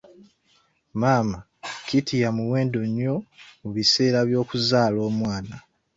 Mama kit ya muwendo nnyo mu biseera by'okuzaala omwana.